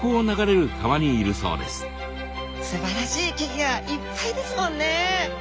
すばらしい木々がいっぱいですもんね。